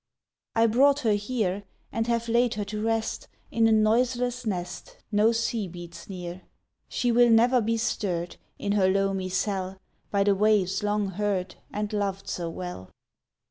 I brought her here, And have laid her to rest In a noiseless nest No sea beats near. She will never be stirred In her loamy cell By the waves long heard And loved so well.